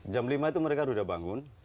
jam lima itu mereka sudah bangun